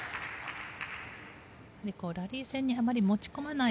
やはりラリー戦にあまり持ち込まない。